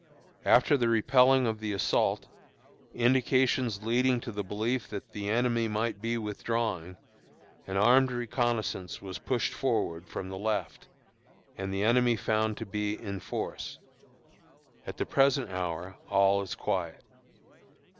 After the repelling of the assault, indications leading to the belief that the enemy might be withdrawing, an armed reconnoissance was pushed forward from the left, and the enemy found to be in force. At the present hour all is quiet.